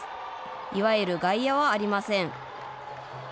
いわゆる外野はありません。